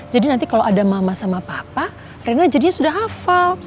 nanti kalau ada mama sama papa reno jadinya sudah hafal